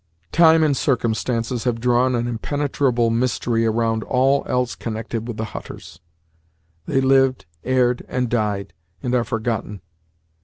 Time and circumstances have drawn an impenetrable mystery around all else connected with the Hutters. They lived, erred, died, and are forgotten.